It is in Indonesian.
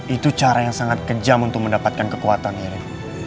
itu cara yang sangat kejam untuk mendapatkan kekuatan mirip